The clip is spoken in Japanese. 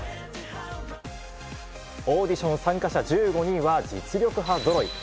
オーディション参加者１５人は実力派ぞろい。